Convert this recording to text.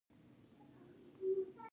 آیا د پستي خدماتو عاید شته؟